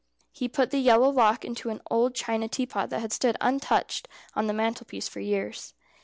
He put the yellow lock into an old china teapot that had stood untouched on the mantelpiece for years.